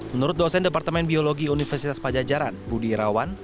menurut dosen departemen biologi universitas pajajaran budi irawan